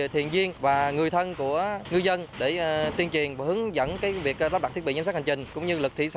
thuyền viên và người thân của ngư dân